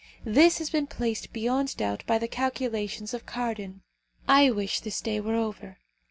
This has been placed beyond doubt by the calculations of Cardan. I wish this day were over.